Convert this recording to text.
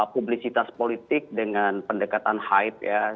publisitas politik dengan pendekatan hype ya